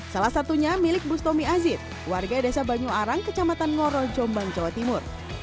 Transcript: salah satunya milik bustomi azid warga desa banyu arang kecamatan ngoro jombang jawa timur